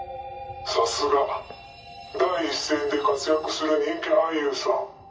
さすが第一線で活躍する人気俳優さん。